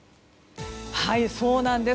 そうなんです。